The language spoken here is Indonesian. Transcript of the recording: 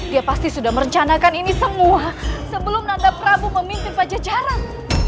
dia pasti sudah merencanakan ini semua sebelum nada prabu memimpin pajajaran